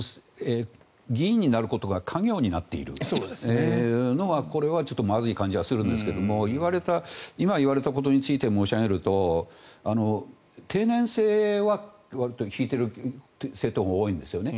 議員になることが家業になっているのがこれはまずい感じはするんですが今、言われたことについて申し上げると定年制はわりと敷いている政党が多いんですね。